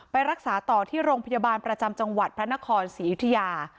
ไปรักษาต่อที่โรงพยาบาลประจำจังหวัดพระนครศรีอยุธยา